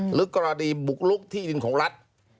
หรือกรณีบุกลุกที่ดินของรัฐ